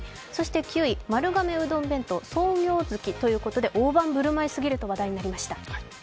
９位、丸亀うどん弁当、創業月で大盤振る舞いすぎると話題になりました。